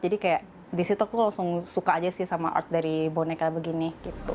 jadi disitu langsung suka aja sama art dari boneka begini